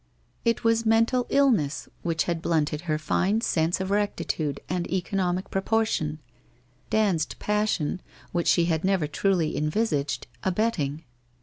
It was mental illness which had blunted her fine sense of rectitude and economic propor tion — Dand's passion, which she had never truly envisaged, abetting.